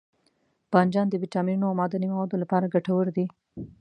بانجان د ویټامینونو او معدني موادو لپاره ګټور دی.